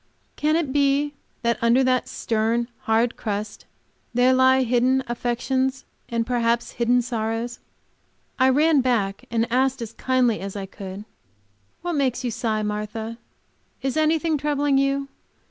Can it be that under that stern and hard crust there lie hidden affections and perhaps hidden sorrows? I ran back and asked, as kindly as I could, "What makes you sigh, Martha? Is anything troubling you?